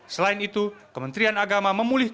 selain itu kementerian agama memulih keputusan pembinaan